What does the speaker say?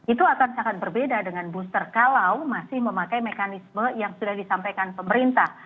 itu akan sangat berbeda dengan booster kalau masih memakai mekanisme yang sudah disampaikan pemerintah